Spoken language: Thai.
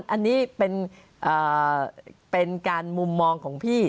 อันนี้เป็นการมุมมองของพี่